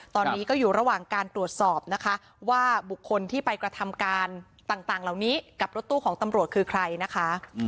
ตอนนี้ก็อยู่ระหว่างการตรวจสอบนะคะว่าบุคคลที่ไปกระทำการต่างเหล่านี้กับรถตู้ของตำรวจคือใครนะคะ